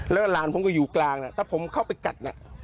แล้วหลานผมก็อยู่กลางถ้าผมเข้าไปกัดน่ะ